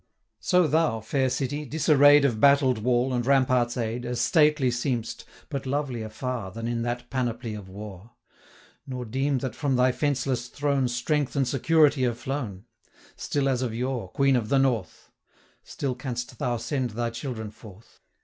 So thou, fair City! disarray'd Of battled wall, and rampart's aid, 90 As stately seem'st, but lovelier far Than in that panoply of war. Nor deem that from thy fenceless throne Strength and security are flown; Still as of yore, Queen of the North! 95 Still canst thou send thy children forth.